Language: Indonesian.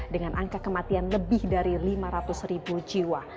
dengan angka kematian lebih dari lima ratus ribu jiwa